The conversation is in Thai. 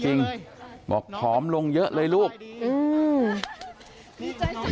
เพื่อนบ้านเจ้าหน้าที่อำรวจกู้ภัย